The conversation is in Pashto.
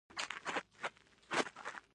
تر هغه چې د کمپیوټر جوړونکی له هغه ځایه لاړ